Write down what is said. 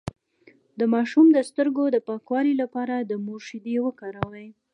د ماشوم د سترګو د پاکوالي لپاره د مور شیدې وکاروئ